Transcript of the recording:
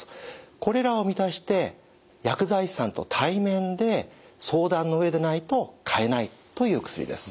これらを満たして薬剤師さんと対面で相談の上でないと買えないという薬です。